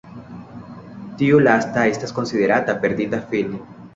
Tiu lasta estas konsiderata perdita filmo.